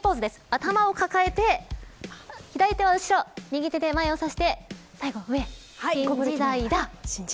頭を抱えて、左手は後ろ右手で前を指して最後上。